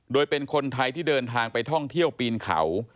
โดยเป็นคนไทยที่เดินทางไปท่องเที่ยวปีนเขา